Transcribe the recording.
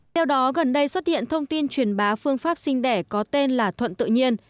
theo đó gần đây xuất hiện thông tin truyền bá phương pháp sinh đẻ có tên là thuận tự nhiên